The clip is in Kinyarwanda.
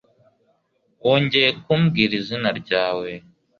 Wongeye kumbwira izina ryawe